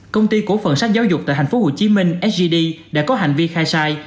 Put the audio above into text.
công ty cổ phận sách giáo dục tại tp hcm sgd đã có hành vi khai sai